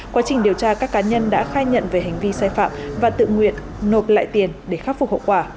quá trình điều tra các cá nhân đã khai nhận về hành vi sai phạm và tự nguyện nộp lại tiền để khắc phục hậu quả